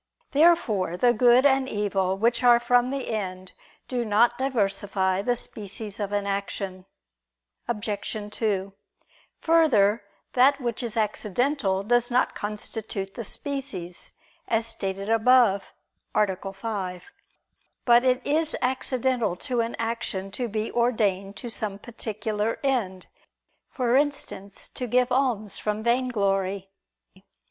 Therefore the good and evil which are from the end do not diversify the species of an action. Obj. 2: Further, that which is accidental does not constitute the species, as stated above (A. 5). But it is accidental to an action to be ordained to some particular end; for instance, to give alms from vainglory.